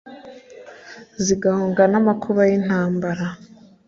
zigahunga n’amakuba y’intambara.